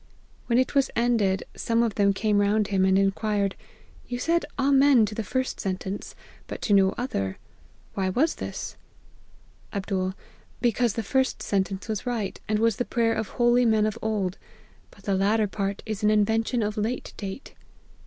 When it was ended, some of them came round him, and inquired, ' You said Amen to the first sentence, but to no other ; why was this ?'" Md. ' Because the first sentence was right, and was the prayer of holy men of old ; but the latter part is an invention of late date.'